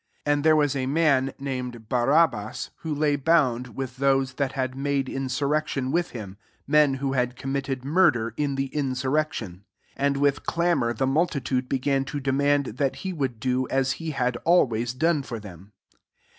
7 And there was a manf named Barabbas, who lay bound with those that had made insur« rection with him, men who had committed murder in the insur rection. 8 And with clamour the multitude began to demand that he would do as he had air ways done for them.